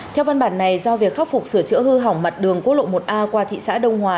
theo văn bản này do việc khắc phục sửa chữa hư hỏng mặt đường quốc lộ một a qua thị xã đông hòa